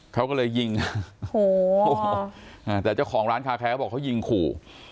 เขาก็เลยยิงแต่เจ้าของร้านคาแคร์บอกว่ายิงขู่